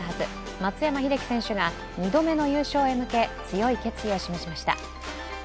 松山英樹選手が２度目の優勝へ向け強い決意を示しました。